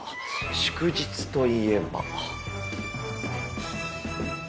祝日といえば。